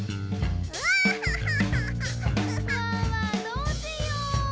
どうしよう？